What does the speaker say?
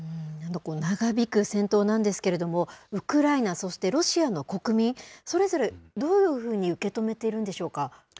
長引く戦闘なんですけれども、ウクライナ、そしてロシアの国民、それぞれどういうふうに受け止めているんでしょうか。